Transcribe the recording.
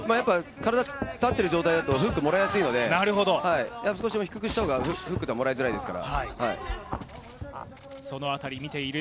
体立ってる状態だとフックをもらいやすいので少し低くした方がフックをもらいづらいですから。